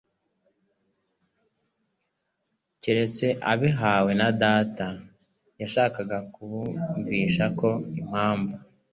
keretse abihawe na Data.» Yashakaga kubumvisha ko impamvu